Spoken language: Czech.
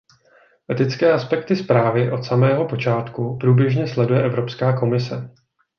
Etické aspekty zprávy od samého počátku průběžně sleduje Evropská komise.